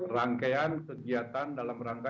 rangkaian kegiatan dalam rangka